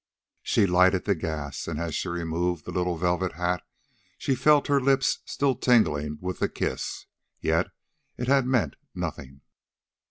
She lighted the gas, and, as she removed the little velvet hat, she felt her lips still tingling with the kiss. Yet it had meant nothing.